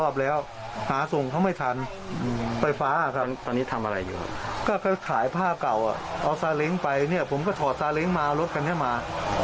แค่ก็ขายผ้ากัวเอาสาเลงไปผมก็ถอดสาเลงมารถขอได้มา